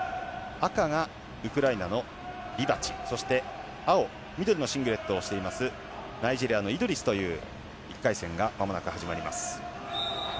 赤がウクライナのリバチそして青緑のシングレットをしていますナイジェリアのイドリスという１回戦がまもなく始まります。